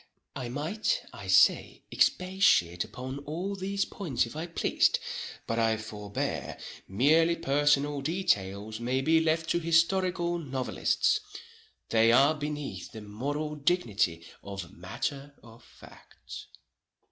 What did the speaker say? I might, I say, expatiate upon all these points if I pleased,—but I forbear, merely personal details may be left to historical novelists,—they are beneath the moral dignity of matter of fact.